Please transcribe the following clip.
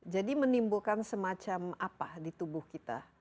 jadi menimbulkan semacam apa di tubuh kita